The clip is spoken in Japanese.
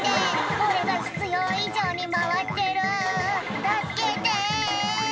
「俺が必要以上に回ってる助けて」